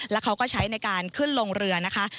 แล้วเขาก็ใช้ในการขึ้นลงเรือนะคะ